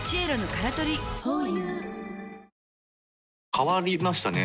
変わりましたね。